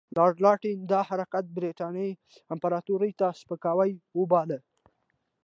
لارډ لیټن دا حرکت برټانیې امپراطوري ته سپکاوی وباله.